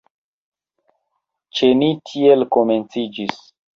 Ĉe ni tiel komenciĝis.